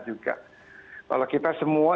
juga kalau kita semua